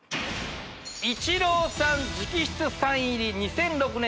イチローさん直筆サイン入り２００６年